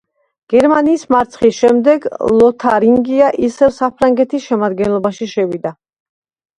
გერმანიის მარცხის შემდეგ ლოთარინგია ისევ საფრანგეთის შემადგენლობაში შევიდა.